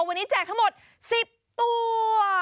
วันนี้แจกทั้งหมด๑๐ตัว